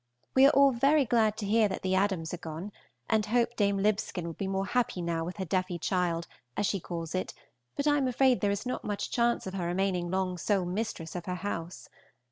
We are all very glad to hear that the Adams are gone, and hope Dame Libscombe will be more happy now with her deaffy child, as she calls it, but I am afraid there is not much chance of her remaining long sole mistress of her house.